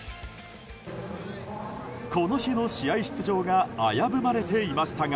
この日の試合出場が危ぶまれていましたが。